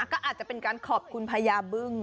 ก็อาจจะเป็นการขอบคุณพญาบึ้ง